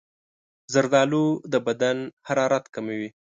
زردالو د بدن حرارت کموي.